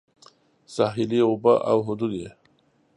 ساحلي اوبه او حدود یې